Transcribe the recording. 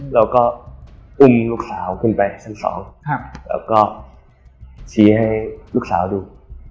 เราก็อุ้มลูกสาวขึ้นไปชั้น๒แล้วก็ชี้ให้ลูกสาวดู